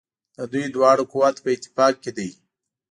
د دوی دواړو قوت په اتفاق کې دی.